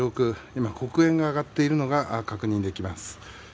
今、黒煙が上がっているのが確認できます。